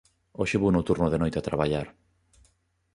Hoxe vou no turno de noite a traballar.